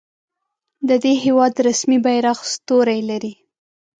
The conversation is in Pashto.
د دې هیواد رسمي بیرغ ستوری لري.